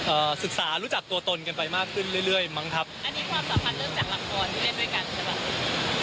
ศึกษารู้จักตัวตนกันไปมากขึ้นเรื่อยเรื่อยมั้งครับอันนี้ความสัมพันธ์เริ่มจากละครที่เล่นด้วยกันตลอด